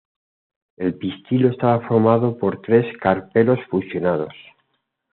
El pistilo está formado por tres carpelos fusionados.